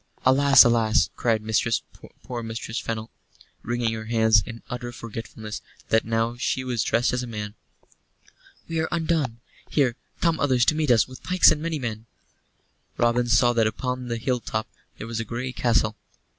"Alas, alas!" cried poor Mistress Fennel, wringing her hands in utter forgetfulness that now she was dressed as a man. "We are undone! Here come others to meet us, with pikes and many men!" Robin saw that upon the hill top there was a grey castle.